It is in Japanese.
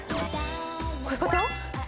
こういうこと？